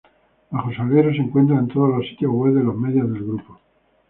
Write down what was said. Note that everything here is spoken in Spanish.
Bajo su alero se encuentran todos los sitios web de los medios del grupo.